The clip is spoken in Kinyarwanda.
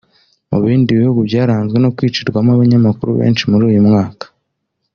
Mu bindi bihugu byaranzwe no kwicirwamo abanyamakuru benshi muri uyu mwaka